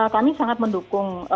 kami sangat mendukung